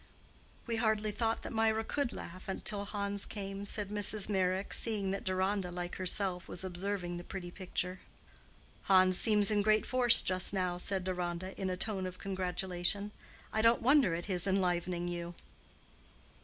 "We hardly thought that Mirah could laugh till Hans came," said Mrs. Meyrick, seeing that Deronda, like herself, was observing the pretty picture. "Hans seems in great force just now," said Deronda in a tone of congratulation. "I don't wonder at his enlivening you."